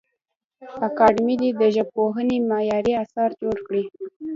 اکاډمي دي د ژبپوهنې معیاري اثار جوړ کړي.